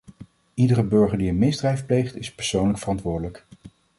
Iedere burger die een misdrijf pleegt is persoonlijk verantwoordelijk.